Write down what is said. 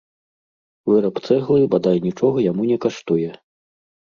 Выраб цэглы бадай нічога яму не каштуе.